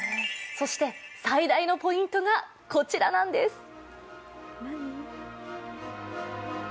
そして最大のポイントがこちらなんです。